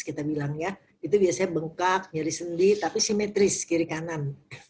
itu biasanya bengkak nyaris sendi tapi simetris kiri kanan